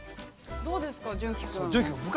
◆どうですか